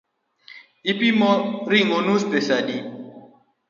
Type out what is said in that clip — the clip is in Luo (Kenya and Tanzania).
Ipimo ring’o nus pesa adi?